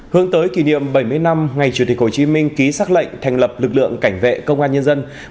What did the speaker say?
hướng tới kỷ niệm bảy mươi năm ngày chủ tịch hồ chí minh ký xác lệnh thành lập lực lượng cảnh vệ công an nhân dân